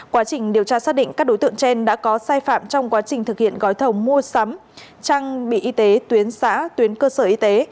quá trình điều tra xác định các đối tượng trên đã có sai phạm trong quá trình thực hiện gói thầu mua sắm trang bị y tế tuyến xã tuyến cơ sở y tế